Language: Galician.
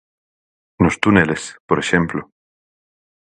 Nos túneles, por exemplo.